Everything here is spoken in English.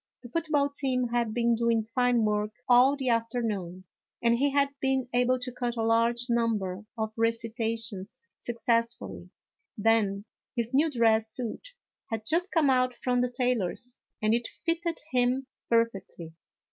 The football team had been doing fine work all the afternoon, and he had been able to cut a large number of recitations success fully ; then, his new dress suit had just come out from the tailor's and it fitted him perfectly.